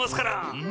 うん！